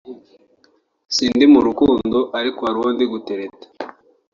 ” Sindi mu rukundo ariko hari uwo ndi gutereta